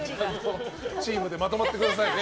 チームでまとまってくださいね。